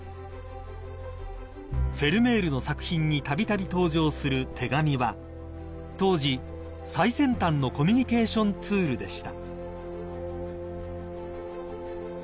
［フェルメールの作品にたびたび登場する手紙は当時最先端のコミュニケーションツールでした］